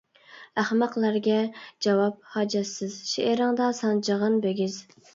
«ئەخمەقلەرگە» ، «جاۋاب» ھاجەتسىز، شېئىرىڭدا سانجىغىن بىگىز.